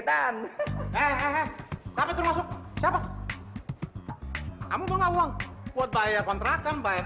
doang itu baru uang muka ngerti nggak sih